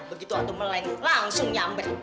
begitu atau meleng langsung nyamber